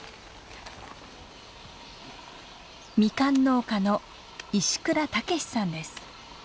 ミカン農家の石倉健さんです。